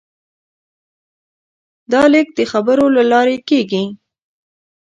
دا لېږد د خبرو له لارې کېږي.